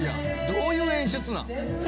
どういう演出なん。